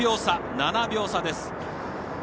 ７秒差です。